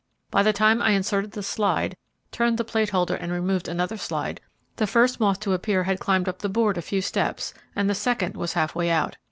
By the time I inserted the slide, turned the plate holder and removed another slide, the first moth to appear had climbed up the board a few steps, and the second was halfway out.